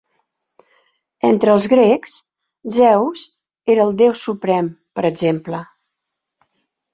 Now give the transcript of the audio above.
Entre els grecs, Zeus era el Déu suprem, per exemple.